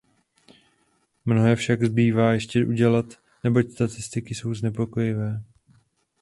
Mnohé však zbývá ještě udělat, neboť statistiky jsou znepokojivé.